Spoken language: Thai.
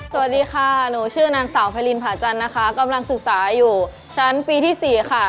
สวัสดีค่ะหนูชื่อนางสาวไพรินผาจันทร์นะคะกำลังศึกษาอยู่ชั้นปีที่๔ค่ะ